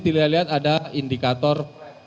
dilihat ada indikator